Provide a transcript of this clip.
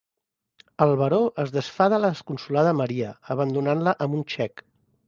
El baró es desfà de la desconsolada Maria, abandonant-la amb un xec.